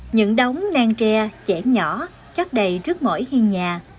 những đống nang tre chẻ nhỏ chất đầy trước mỗi hiên nhà